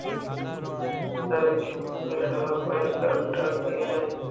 যারে কেউ, ওকে সহ, বাইক আর ড্রাগ নিয়ে আয়।